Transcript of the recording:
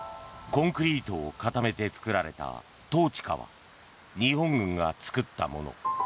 コンクリートを固めて作られたトーチカは日本軍が作ったもの。